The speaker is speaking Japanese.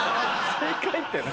正解って何？